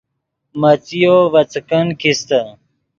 مڅیو ڤے څیکن کیستے